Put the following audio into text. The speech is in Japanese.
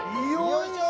よいしょ！